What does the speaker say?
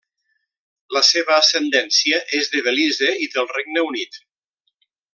La seva ascendència és de Belize i del Regne Unit.